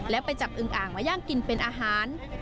และไปจับอึงอ่างมาย่างกินเป็นอาหาร